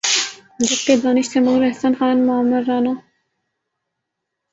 جب کہ دانش تیمور، احسن خان، معمر رانا